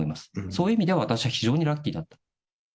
そういう意味では私は非常にラッキーだった。